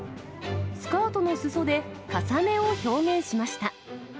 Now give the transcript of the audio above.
スカートのすそで重ねを表現しました。